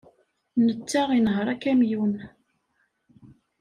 Netta inehheṛ akamyun.